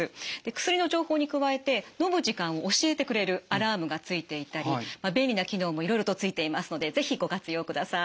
薬の情報に加えてのむ時間を教えてくれるアラームがついていたり便利な機能もいろいろとついていますので是非ご活用ください。